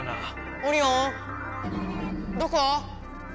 オリオンどこ？